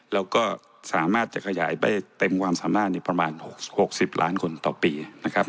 แล้วก็สามารถจะขยายไปเต็มความสามารถประมาณ๖๐ล้านคนต่อปีนะครับ